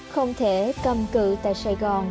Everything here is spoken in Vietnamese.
không thể cầm cự tại sài gòn